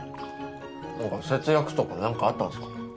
節約とか何かあったんすか？